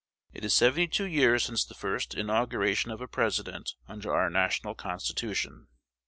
It is seventy two years since the first inauguration of a President under our national Constitution.